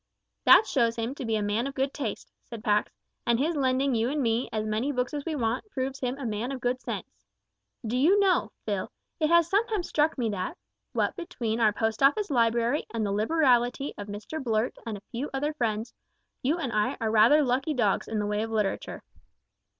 "That shows him to be a man of good taste," said Pax, "and his lending you and me as many books as we want proves him a man of good sense. Do you know, Phil, it has sometimes struck me that, what between our Post Office library and the liberality of Mr Blurt and a few other friends, you and I are rather lucky dogs in the way of literature."